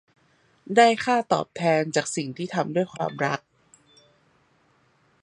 ได้ค่าตอบแทนจากสิ่งที่ทำด้วยความรัก